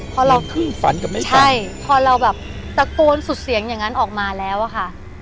พอเราครึ่งฝันกับแม่ใช่พอเราแบบตะโกนสุดเสียงอย่างนั้นออกมาแล้วอะค่ะ